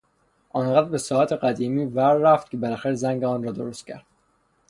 آن قدر به ساعت قدیمی ور رفت که بالاخره زنگ آن را درست کرد.